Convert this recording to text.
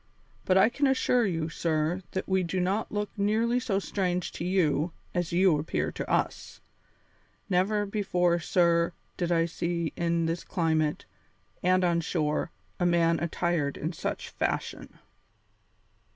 But I can assure you, sir, that we do not look nearly so strange to you as you appear to us. Never before, sir, did I see in this climate, and on shore, a man attired in such fashion."